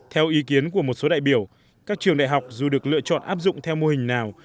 theo ý kiến của một số đại biểu các trường đại học dù được lựa chọn áp dụng theo mô hình nào